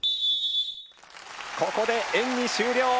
ここで演技終了！